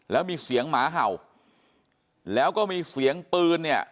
แล้วมีเสียงหมาเห่าแล้วก็มีเสียงปืนเนี่ย